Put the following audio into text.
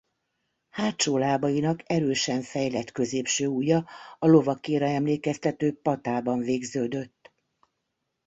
Hátsó lábainak erősen fejlett középső ujja a lovakéra emlékeztető patában végződött.